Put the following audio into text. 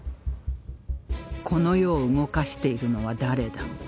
この世を動かしているのは誰だ？